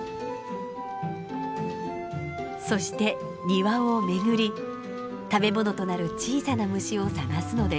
そして庭を巡り食べ物となる小さな虫を探すのです。